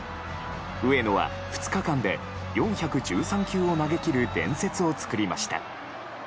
上野は２日間で４１３球を投げ切る伝説を作りました。